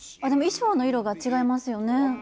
あでも衣装の色が違いますよね。